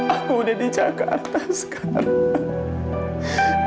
aku udah di jakarta sekarang